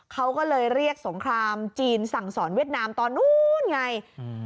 เขาก็เลยเรียกสงครามจีนสั่งสอนเวียดนามตอนนู้นไงอืม